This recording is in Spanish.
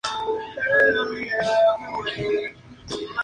Fue la última de cinco hermanos y soportó una errática juventud.